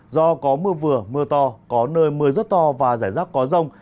do có mưa vừa mưa to có nơi mưa rất to và rải rác có rông